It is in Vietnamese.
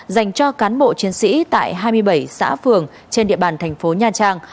dành cho cán bộ chiến sĩ tại hai mươi bảy xã phường trên địa bàn thành phố nha trang